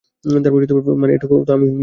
মানে, এটুকু তো আমিও বুঝতে পেরেছি।